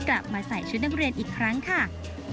กลับมาใส่ชุดนักเรียนอีกครั้งค่ะ